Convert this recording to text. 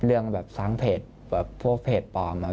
เรื่องแบบสร้างเพจแบบพวกเพจปลอมอะ